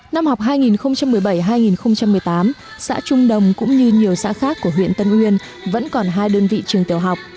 năm học hai nghìn một mươi bảy hai nghìn một mươi tám xã trung đồng cũng như nhiều xã khác của huyện tân uyên vẫn còn hai đơn vị trường tiểu học